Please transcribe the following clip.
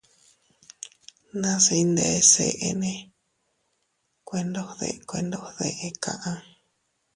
Nas iyndes eʼenne, kuendogde kuendogde kaʼa.